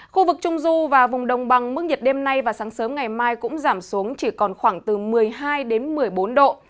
khu vực trung du và vùng đồng bằng mức nhiệt đêm nay và sáng sớm ngày mai cũng giảm xuống chỉ còn khoảng từ một mươi hai đến một mươi bốn độ